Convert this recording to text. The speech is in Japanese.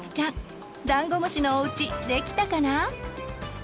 ダンゴムシのおうちできたかな？